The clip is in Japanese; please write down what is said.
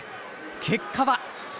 結果は。